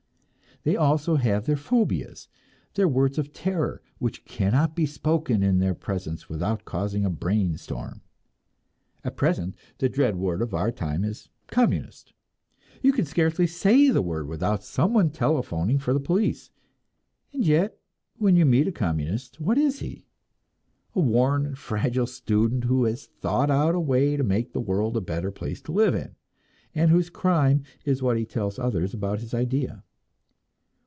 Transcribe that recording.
They have also their phobias, their words of terror, which cannot be spoken in their presence without causing a brain storm. At present the dread word of our time is "Communist." You can scarcely say the word without someone telephoning for the police. And yet, when you meet a Communist, what is he? A worn and fragile student, who has thought out a way to make the world a better place to live in, and whose crime is that he tells others about his idea!